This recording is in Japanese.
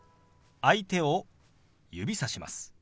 相手を指さします。